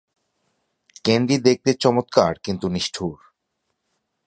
Candy দেখতে চমৎকার কিন্তু নিষ্ঠুর।